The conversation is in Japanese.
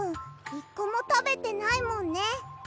１こもたべてないもんね。